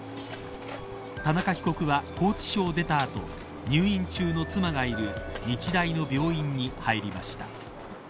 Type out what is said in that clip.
田中被告は、拘置所を出たあと入院中の妻がいる日大の病院に入りました。